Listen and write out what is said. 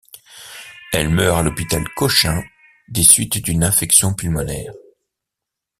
Elle meurt à l'hôpital Cochin des suites d'une infection pulmonaire.